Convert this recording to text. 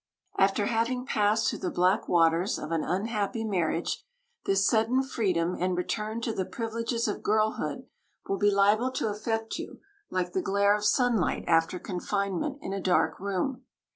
After having passed through the black waters of an unhappy marriage, this sudden freedom and return to the privileges of girlhood will be liable to affect you like the glare of sunlight after confinement in a dark room.